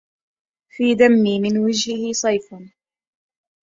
في دمي, من وجهه, صيفٌ